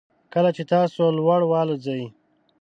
کله چې تاسو لوړ والوځئ